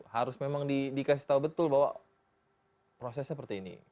harus memang dikasih tahu betul bahwa prosesnya seperti ini